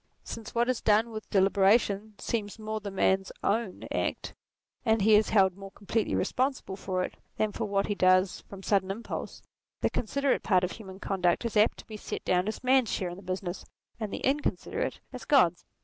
Since what is done with deliberation seems more the man's own act, and he is held more completely responsible for it than for what he does from sudden impulse, the considerate part of human conduct is apt to be set down as man's share in the business, and the incon siderate as God's.